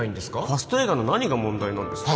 ファスト映画の何が問題なんですか